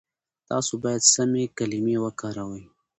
تاسو بايد سمې کلمې وکاروئ.